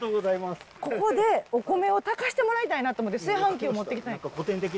ここでお米を炊かせてもらいたいなと思って、炊飯器を持ってきたの。